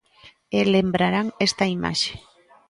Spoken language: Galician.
E lembrarán esta imaxe.